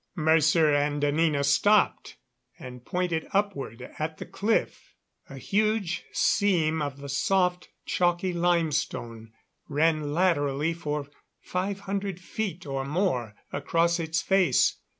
Mercer and Anina stopped and pointed upward at the cliff. A huge seam of the soft, chalky limestone ran laterally for five hundred feet or more across its face.